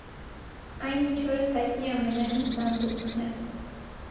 Այն մինչ օրս հայտնի ամենահին սանդուղքն է։